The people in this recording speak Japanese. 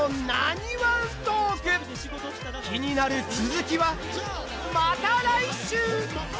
気になる続きはまた来週！